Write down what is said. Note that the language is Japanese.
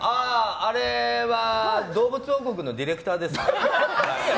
あれは「坂上どうぶつ王国」のディレクターです。